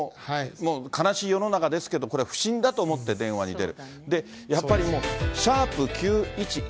もう悲しい世の中ですけど、これ、不審だと思って電話に出る。